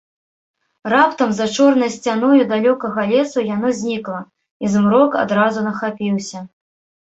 Раптам за чорнай сцяною далёкага лесу яно знікла, і змрок адразу нахапіўся.